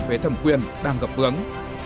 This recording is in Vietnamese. về thẩm quyền đang gặp hướng